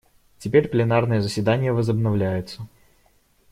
Теперь пленарное заседание возобновляется.